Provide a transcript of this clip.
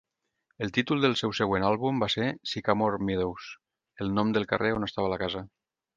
El títol del seu següent àlbum va ser "Sycamore Meadows", el nom del carrer on estava la casa.